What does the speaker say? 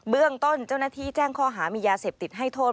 เรื่องต้นเจ้าหน้าที่แจ้งข้อหามียาเสพติดให้โทษ